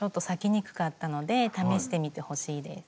にくかったので試してみてほしいです。